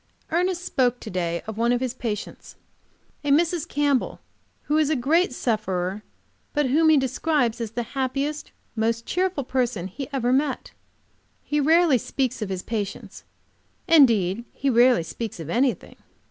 Ernest spoke to day of one of his patients, a Mrs. Campbell, who is a great sufferer, but whom he describes as the happiest, most cheerful person he ever met. He rarely speaks of his patients. Indeed, he rarely speaks of anything.